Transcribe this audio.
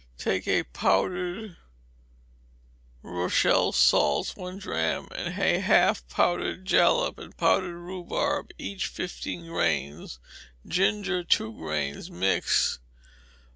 Take of powdered Rochelle salts one drachm and a half, powdered jalap and powdered rhubarb each fifteen grains, ginger two grains, mix.